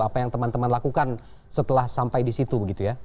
apa yang teman teman lakukan setelah sampai di situ begitu ya